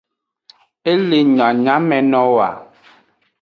E le nyanyamenowoa.